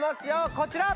こちら！